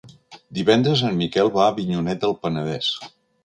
Divendres en Miquel va a Avinyonet del Penedès.